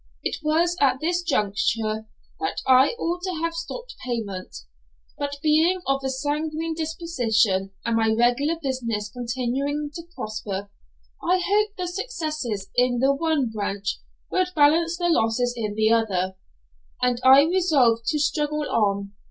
It was at this juncture that I ought to have stopped payment, but, being of a sanguine disposition, and my regular business continuing to prosper, I hoped the successes in the one branch would balance the losses in the other, and I resolved to struggle on.